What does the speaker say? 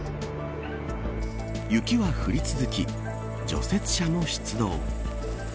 雪は降り続き除雪車も出動。